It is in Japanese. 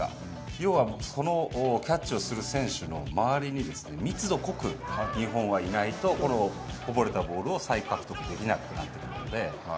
要は、そのキャッチをする選手の周りにですね、密度濃く日本はいないと、このこぼれたボールを再獲得できなくなってくるので。